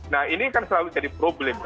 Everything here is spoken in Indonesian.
nah ini kan selalu jadi problem